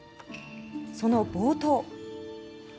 その冒頭。